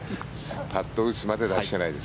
パットを打つまで出してないです。